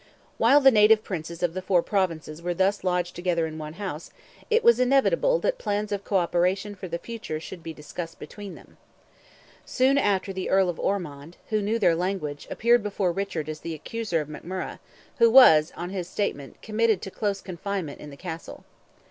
While the native Princes of the four Provinces were thus lodged together in one house, it was inevitable that plans of co operation for the future should be discussed between them. Soon after the Earl of Ormond, who knew their language, appeared before Richard as the accuser of McMurrogh, who was, on his statement, committed to close confinement in the Castle.